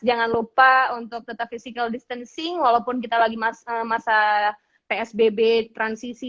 jangan lupa untuk tetap physical distancing walaupun kita lagi masa psbb transisi